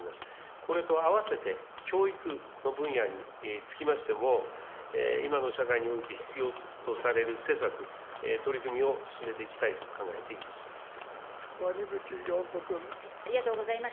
これと併せて、教育の分野につきましても、今の社会において必要とされる施策、取り組みを進めていきたいと考えています。